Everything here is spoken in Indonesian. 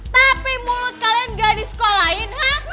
tapi mulut kalian gak disekolahin